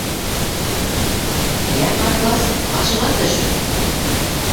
—Йә, ҡартлас, ашыға төш!